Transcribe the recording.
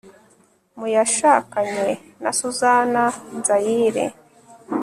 mu yashakanye na suzana nzayire